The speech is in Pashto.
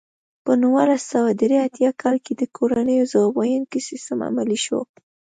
په نولس سوه درې اتیا کال کې د کورنیو ځواب ویونکی سیستم عملي شو.